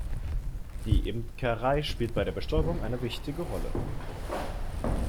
Die Imkerei spielt bei der Bestäubung eine wichtige Rolle.